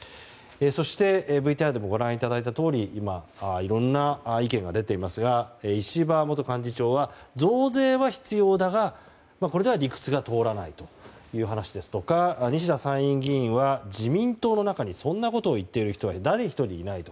そしてＶＴＲでもご覧いただいたとおり今、いろんな意見が出ていますが石破元幹事長は、増税は必要だがこれでは理屈が通らないという話ですとか西田参院議員は、自民党の中にそんなことを言っている人は誰一人いないと。